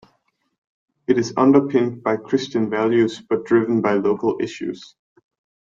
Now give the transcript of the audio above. It is underpinned by Christian values but driven by local issues.